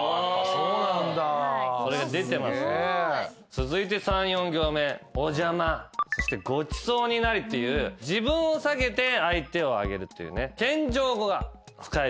続いて３４行目「お邪魔」そして「ごちそうになり」っていう自分を下げて相手を上げる謙譲語が使えてると。